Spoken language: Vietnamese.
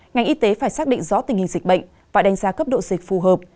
ngành y tế phải xác định rõ tình hình dịch bệnh và đánh giá cấp độ dịch phù hợp